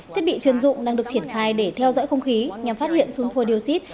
thiết bị chuyên dụng đang được triển khai để theo dõi không khí nhằm phát hiện xun thua điều xít